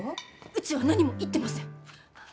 うちは何も言ってません。